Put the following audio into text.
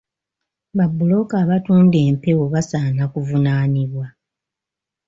Babbulooka abatunda empewo basaana kuvunaanibwa.